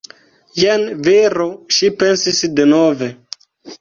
Jen viro, ŝi pensis denove.